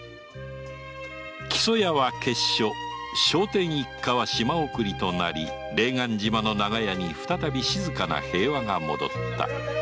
木曽屋は闕所聖天一家は島送りとなり霊岸島の長屋に再び静かな平和が戻った